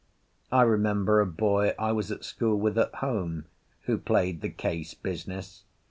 I remember a boy I was at school with at home who played the Case business.